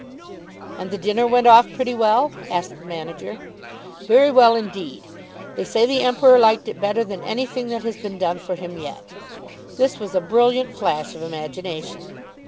"And the dinner went off pretty well?" asked the manager. "Very well, indeed. They say the Emperor liked it better than anything that has been done for him yet." This was a brilliant flash of imagination.